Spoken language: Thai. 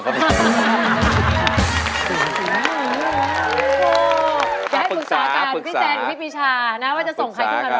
ให้ไฟศาจารย์